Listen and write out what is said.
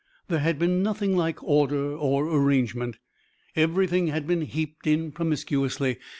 There had been nothing like order or arrangement. Everything had been heaped in promiscuously.